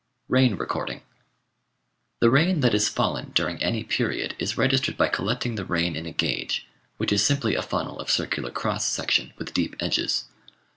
Rain Recording The rain that has fallen during any period is registered by collecting the rain in a gauge, which is simply a funnel of circular cross section with deep edges.